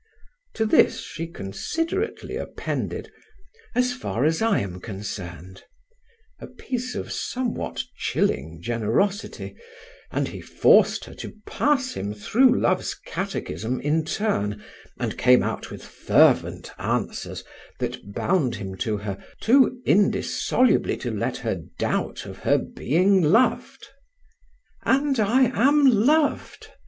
To this she considerately appended, "as far as I am concerned"; a piece of somewhat chilling generosity, and he forced her to pass him through love's catechism in turn, and came out with fervent answers that bound him to her too indissolubly to let her doubt of her being loved. And I am loved!